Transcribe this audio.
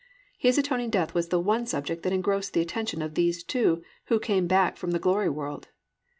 "+ His atoning death was the one subject that engrossed the attention of these two who came back from the glory world.